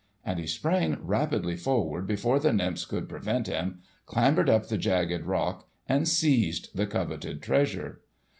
And he sprang rapidly forward, before the nymphs could prevent him, clambered up the jagged rock and seized the coveted treasure.